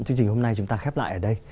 chương trình hôm nay chúng ta khép lại ở đây